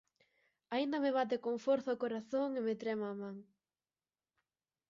Aínda me bate con forza o corazón e me trema a man.